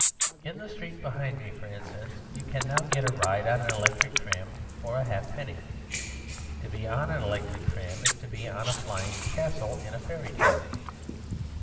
In the street behind me, for instance, you can now get a ride on an electric tram for a halfpenny. To be on an electric tram is to be on a flying castle in a fairy tale.